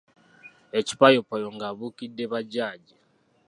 Ekipayoyoppayo ng’abuukidde bbajaaji.